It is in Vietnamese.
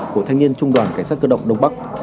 của thanh niên trung đoàn cảnh sát cơ động đông bắc